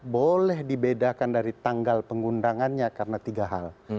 boleh dibedakan dari tanggal pengundangannya karena tiga hal